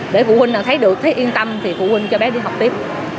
để phụ huynh thấy được thấy yên tâm thì phụ huynh cho bé đi học tiếp